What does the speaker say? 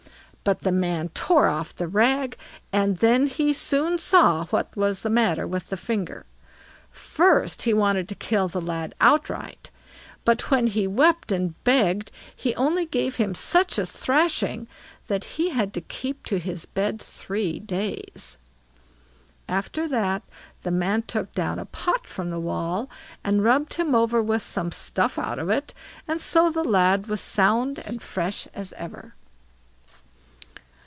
But the man tore off the rag, and then he soon saw what was the matter with the finger. First he wanted to kill the lad outright, but when he wept, and begged, he only gave him such a thrashing that he had to keep his bed three days. After that the man took down a pot from the wall, and rubbed him over with some stuff out of it, and so the lad was sound and fresh as ever.